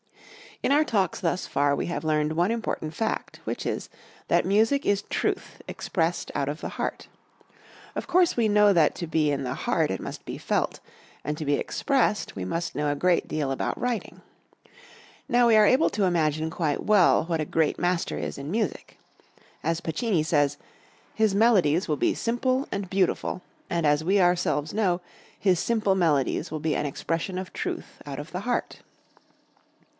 In our Talks thus far we have learned one important fact, which is, that music is truth expressed out of the heart. Of course we know that to be in the heart it must be felt, and to be expressed we must know a great deal about writing. Now we are able to imagine quite well what a great master is in music. As Pacini says, his melodies will be simple and beautiful, and as we ourselves know, his simple melodies will be an expression of truth out of the heart.